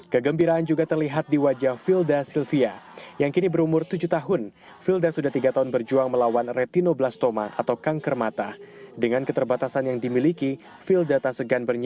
ketika menari aditya menerima pengobatan medis